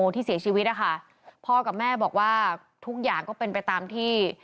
ที่เสียชีวิตนะคะพ่อกับแม่บอกว่าทุกอย่างก็เป็นไปตามที่